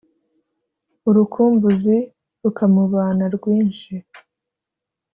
urukumbuzi rukamubana rwinshi